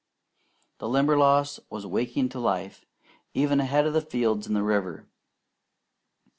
The Limberlost was waking to life even ahead of the fields and the river.